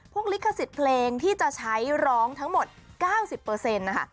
คลิขสิทธิ์เพลงที่จะใช้ร้องทั้งหมด๙๐นะคะ